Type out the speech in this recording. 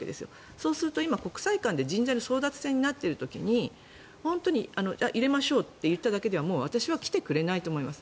そうすると、国際間で今人材の争奪戦になっている時に入れましょうと言っただけではもう私は来てくれないと思います。